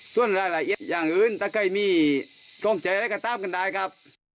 ส่วนรายละเอียดอย่างอื่นถ้าใครมีกล้องใจอะไรก็ตามกันได้ครับ